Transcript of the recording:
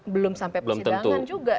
belum sampai persidangan juga